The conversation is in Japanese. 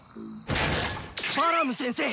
バラム先生！